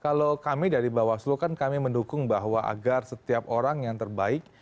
kalau kami dari bawaslu kan kami mendukung bahwa agar setiap orang yang terbaik